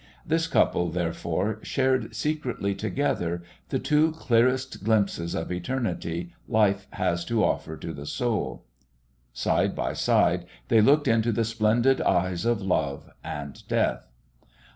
This couple, therefore, shared secretly together the two clearest glimpses of eternity life has to offer to the soul. Side by side they looked into the splendid eyes of Love and Death.